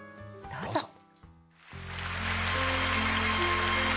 どうぞ。